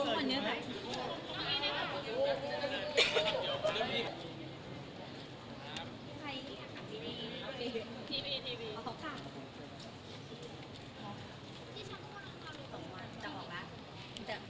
ขอบคุณครับ